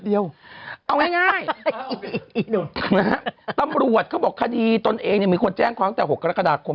เอาง่ายนะฮะตำรวจเขาบอกคดีตนเองเนี่ยมีคนแจ้งความตั้งแต่๖กรกฎาคม